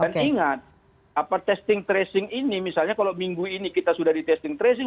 dan ingat apa testing tracing ini misalnya kalau minggu ini kita sudah di testing tracing